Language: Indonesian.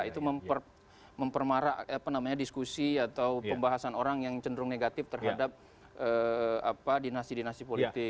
itu mempermarak diskusi atau pembahasan orang yang cenderung negatif terhadap dinasti dinasti politik